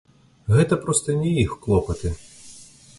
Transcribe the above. Гэта проста не іх клопаты.